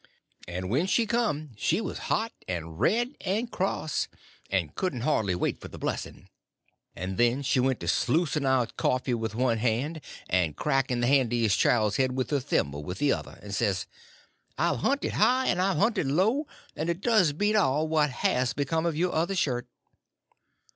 And when she come she was hot and red and cross, and couldn't hardly wait for the blessing; and then she went to sluicing out coffee with one hand and cracking the handiest child's head with her thimble with the other, and says: "I've hunted high and I've hunted low, and it does beat all what has become of your other shirt."